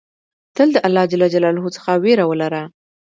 تل د الله ج څخه ویره ولره.